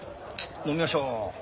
飲みましょう。